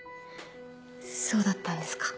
そうだったんですか。